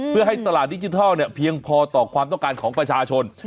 เพื่อให้ตลาดดิจิทัลเพียงพอต่อความต้องการของประชาชน